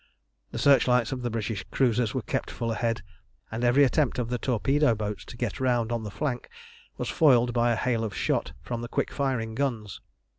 The searchlights of the British cruisers were kept full ahead, and every attempt of the torpedo boats to get round on the flank was foiled by a hail of shot from the quick firing guns.